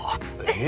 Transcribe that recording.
え？